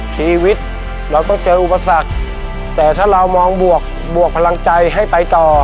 ชีวิตเราต้องเจออุปสรรคแต่ถ้าเรามองบวกบวกพลังใจให้ไปต่อ